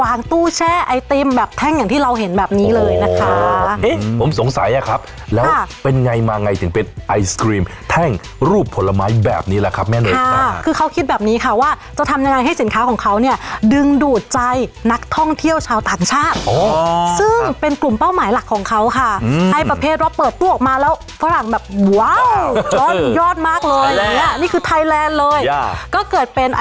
ตรงตู้แช่ไอติมแบบแท่งอย่างที่เราเห็นแบบนี้เลยนะคะผมสงสัยอะครับแล้วเป็นไงมาไงถึงเป็นไอศกรีมแท่งรูปผลไม้แบบนี้แหละครับแม่นเลยค่ะคือเขาคิดแบบนี้ค่ะว่าจะทำยังไงให้สินค้าของเขาเนี่ยดึงดูดใจนักท่องเที่ยวชาวต่างชาติอ๋อซึ่งเป็นกลุ่มเป้าหมายหลักของเขาค่ะให้ประเภทเราเปิด